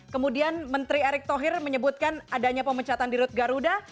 kemudian menteri erick thohir menyebutkan adanya pemecatan di rut garuda